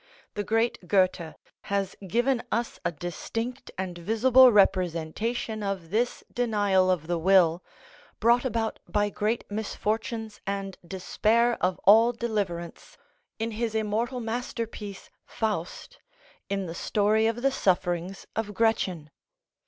The great Goethe has given us a distinct and visible representation of this denial of the will, brought about by great misfortunes and despair of all deliverance, in his immortal masterpiece "Faust," in the story of the sufferings of Gretchen.